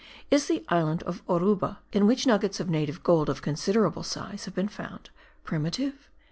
Is the island of Oruba (in which nuggets of native gold of considerable size have been found) primitive?)